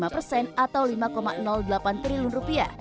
sebelas empat puluh lima persen atau rp lima delapan triliun